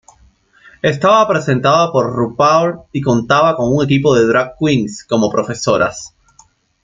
Estaba presentado por RuPaul y contaba con un equipo de "drag queens" como "profesoras".